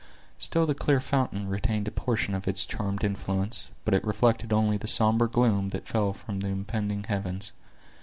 Still the clear fountain retained a portion of its charmed influence, but it reflected only the somber gloom that fell from the impending heavens.